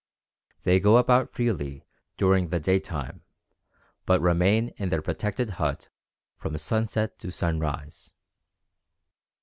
They go about freely during the daytime, but remain in their protected hut from sunset to sunrise.